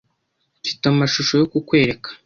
Mfite amashusho yo kukwereka.